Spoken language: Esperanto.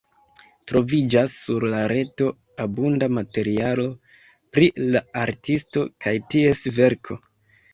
Troviĝas sur la reto abunda materialo pri la artisto kaj ties verko.